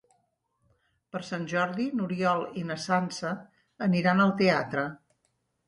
Per Sant Jordi n'Oriol i na Sança aniran al teatre.